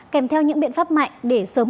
kèm theo những biện pháp mạnh để sớm